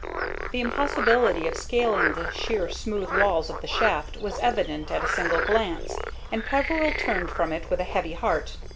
The impossibility of scaling the sheer, smooth walls of the shaft was evident at a single glance, and Peveril turned from it with a heavy heart.